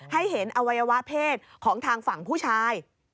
ให้เห็นอวัยวะเพศของทางฝั่งผู้ชาย